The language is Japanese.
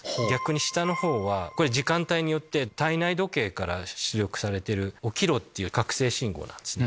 下の方はこれ時間帯によって体内時計から出力されてる起きろっていう覚醒信号です。